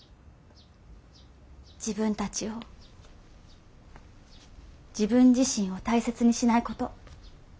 自分たちを自分自身を大切にしないこと。